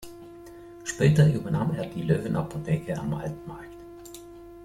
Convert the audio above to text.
Später übernahm er die Löwenapotheke am Altmarkt.